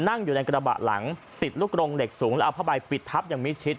นั่งอยู่ในกระบะหลังติดลูกโรงเหล็กสูงแล้วเอาผ้าใบปิดทับอย่างมิดชิด